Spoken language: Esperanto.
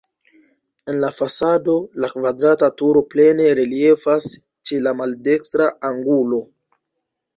En la fasado la kvadrata turo plene reliefas ĉe la maldekstra angulo.